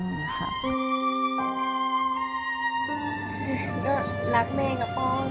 แม่ก็รักแม่กับพ่อมาก